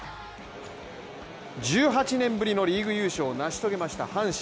１８年ぶりのリーグ優勝をなし遂げました阪神。